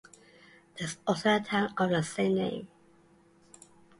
There is also a town of the same name.